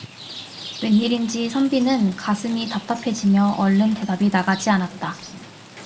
웬일인지 선비는 가슴이 답답해지며 얼른 대답이 나가지 않았다.